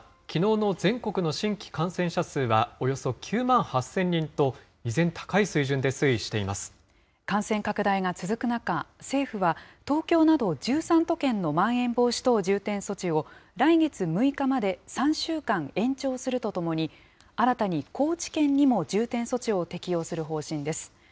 きのうの全国の新規感染者数は、およそ９万８０００人と、感染拡大が続く中、政府は東京など１３都県のまん延防止等重点措置を来月６日まで３週間延長するとともに、新たに高知県にも重点措置を適用する方針です。